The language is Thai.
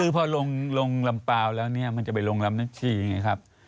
คือพอลงลำเปล่าแล้วเนี่ยมันจะไปลงลำนักชีไงครับ